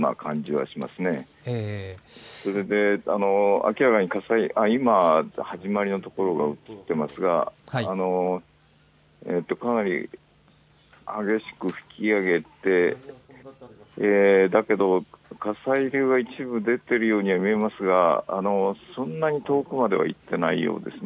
明らかに今、始まりのところが映っていますがかなり激しく噴き上げて、だけど、火砕流が一部出ているようには見えますがそんなに遠くまではいっていないようですね。